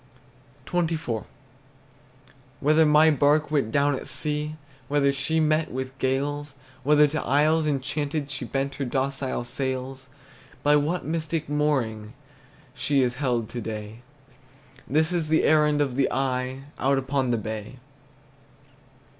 XXIV. Whether my bark went down at sea, Whether she met with gales, Whether to isles enchanted She bent her docile sails; By what mystic mooring She is held to day, This is the errand of the eye Out upon the bay.